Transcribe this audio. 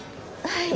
はい。